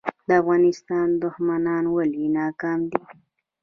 د افغانستان دښمنان ولې ناکام دي؟